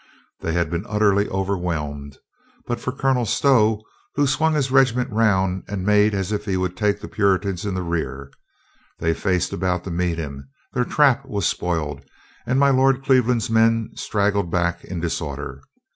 They had been utterly over whelmed but for Colonel Stow, who swung his regiment round and made as if he would take the Puritans in rear. They faced about to meet him, their trap was spoiled, and my Lord Cleveland's men straggled back in disorder.